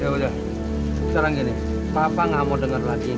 ya udah sekarang gini papa gak mau denger lagi ini